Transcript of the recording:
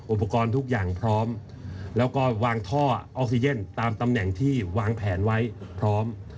อุปกรณ์ทุกอย่างพร้อมแล้วก็วางท่อออกซิเจนตามตำแหน่งที่วางแผนไว้พร้อม